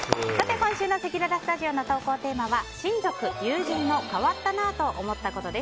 今週のせきららスタジオの投稿テーマは親族・友人の変わったなぁと思ったことです。